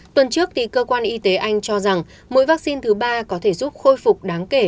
tuần trước cơ quan y tế anh cho rằng mỗi vaccine thứ ba có thể giúp khôi phục đáng kể